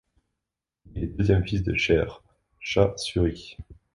Il est le deuxième fils de Sher Shah Suri.